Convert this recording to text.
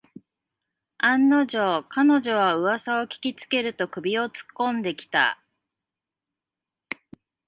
案の定、彼女はうわさを聞きつけると首をつっこんできた